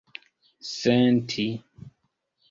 senti